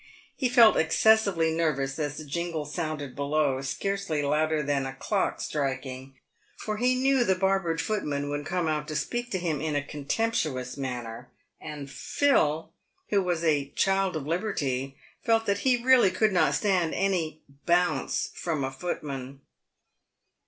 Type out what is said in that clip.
He felt excessively nervous as the jingle sounded below, scarcely louder than a clock striking, for he knew the barbered footman would come out to speak to him in a contemptuous manner, and Phil, who was a " child of liberty," felt that he really could not stand any " bounce " from a footman.